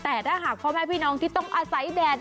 แต่ถ้าหากพ่อแม่พี่น้องที่ต้องอาศัยแดด